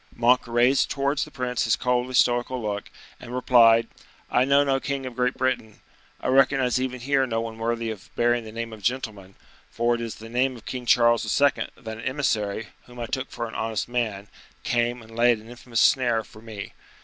Monk raised towards the prince his coldly stoical look, and replied: "I know no king of Great Britain; I recognize even here no one worthy of bearing the name of gentleman: for it is in the name of King Charles II. that an emissary, whom I took for an honest man, came and laid an infamous snare for me.